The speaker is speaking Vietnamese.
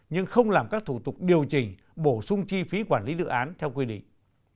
nhưng không làm các thủ tục điều chỉnh bổ sung chi phí quản lý dự án theo quy định